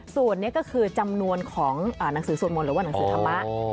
ส่วนนี้ก็คือจำนวนของหนังสือสวดมนต์หรือว่าหนังสือธรรมะ